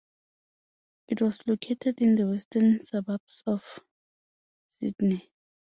It was located in the western suburbs of Sydney.